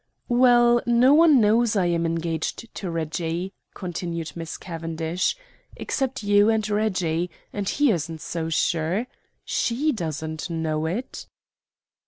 "Well, no one knows I am engaged to Reggie," continued Miss Cavendish, "except you and Reggie, and he isn't so sure. SHE doesn't know it."